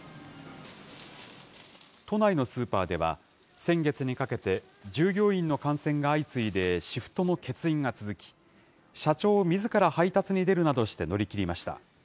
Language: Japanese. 都内のスーパーでは、先月にかけて、従業員の感染が相次いでシフトも欠員が続き、社長みずから配達に出るなどして乗り切りました。